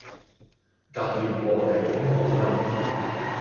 隔葉黃鸝空好音